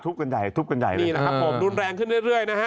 กันใหญ่ทุบกันใหญ่เลยนี่แหละครับผมรุนแรงขึ้นเรื่อยนะฮะ